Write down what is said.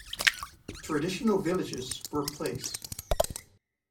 Traditional villages were place.